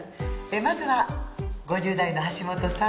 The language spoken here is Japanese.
まずは５０代の橋本さん。